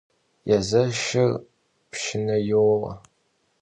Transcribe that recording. Yêzeşşır pşşıne youe.